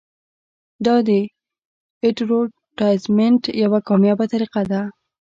دا د اډورټایزمنټ یوه کامیابه طریقه ده.